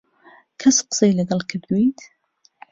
کەس قسەی لەگەڵ کردوویت؟